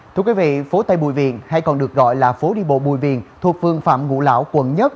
thưa quý vị phố tây bùi viện hay còn được gọi là phố đi bộ bùi viện thuộc phương phạm ngũ lão quận một